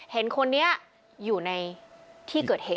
เห็นคนนี้อยู่ในที่เกิดเหตุ